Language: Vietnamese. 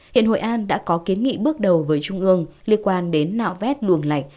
hiện hội an đã có kiến nghị bước đầu với trung ương liên quan đến nạo vét luồng lạch